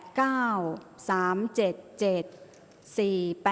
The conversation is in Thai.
ออกรางวัลที่๖